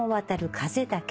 風だけ？